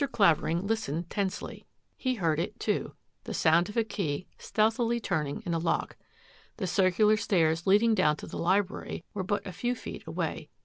Clavering listened tensely. He heard it, too, the sound of a key stealthily turning in a lock. The circular stairs leading down to the library were but a few feet away.